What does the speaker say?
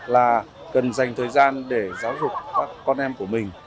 là cần dành thời gian để giáo dục các con em của mình